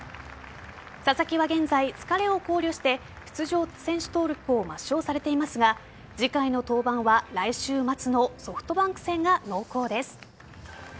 佐々木は現在、疲れを考慮して出場場選手登録を抹消されていますが次回の登板は来週末のソフトバンク戦が濃厚です。